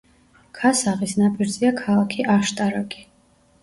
ქასაღის ნაპირზეა ქალაქი აშტარაკი.